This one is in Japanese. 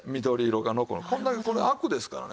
こんだけこれアクですからね。